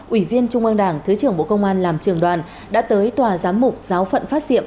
ủy viên trung an đảng thứ trưởng bộ công an làm trường đoàn đã tới tòa giám mục giáo phận phát diệm